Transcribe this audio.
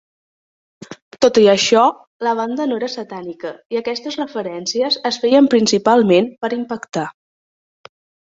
Tot i això, la banda no era satànica, i aquestes referències es feien principalment per impactar.